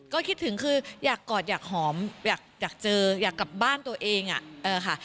ก็คิดถึงคืออยากกอดอยากหอมอยากเจออยากกลับบ้านตัวเองค่ะ